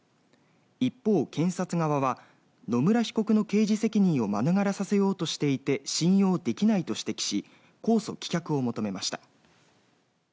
一方、検察側は野村被告の刑事責任を免れさせようとしていて信用できないと指摘し控訴棄却を求めました。